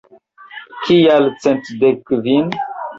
Kial cent dek kvin?